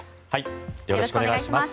よろしくお願いします。